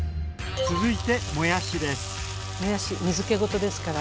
続いてもやしです。